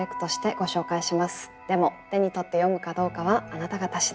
でも手に取って読むかどうかはあなた方次第。